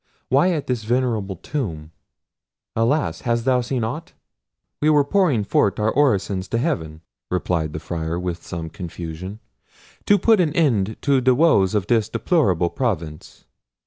why at this venerable tomb—alas! hast thou seen aught?" "We were pouring forth our orisons to heaven," replied the Friar, with some confusion, "to put an end to the woes of this deplorable province.